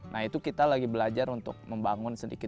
nah itu kita lagi belajar untuk membangun sedikit